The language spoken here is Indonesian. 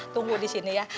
tunggu di sini ya